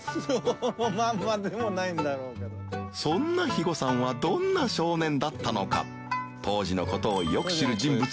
そんな肥後さんはどんな少年だったのか？